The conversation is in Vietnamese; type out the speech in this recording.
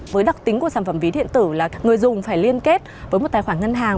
với đặc tính của sản phẩm ví điện tử là người dùng phải liên kết với một tài khoản ngân hàng